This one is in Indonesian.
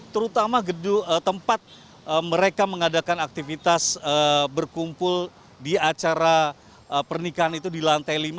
terutama tempat mereka mengadakan aktivitas berkumpul di acara pernikahan itu di lantai lima